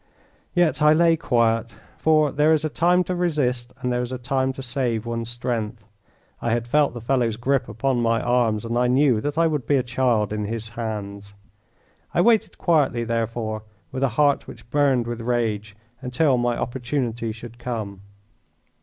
Yet I lay quiet, for there is a time to resist and there is a time to save one's strength. I had felt the fellow's grip upon my arms, and I knew that I would be a child in his hands. I waited quietly, therefore, with a heart which burned with rage, until my opportunity should come.